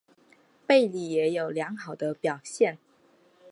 贝里也有良好的表现。